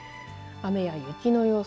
雨や雪の予想。